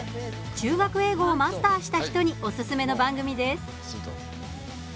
中学英語をマスターした人におすすめの番組です。